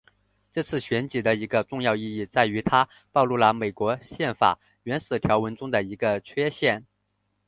这次选举的一个重要意义在于它暴露了美国宪法原始条文中的一个缺陷。